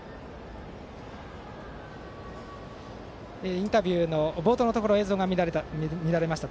インタビュー冒頭のところ映像が乱れました。